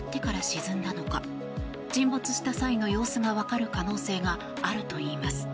沈没した際の様子が分かる可能性があるといいます。